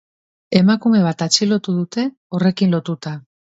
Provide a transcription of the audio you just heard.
Emakume bat atxilotu dute horrekin lotuta.